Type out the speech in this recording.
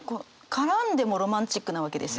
絡んでもロマンチックなわけですよ。